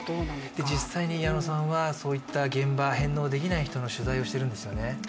実際に矢野さんはそういった現場、返納できない人の取材をしているんですよね。